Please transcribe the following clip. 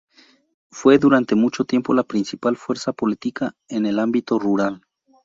Fue durante mucho tiempo la principal fuerza política en el ámbito rural.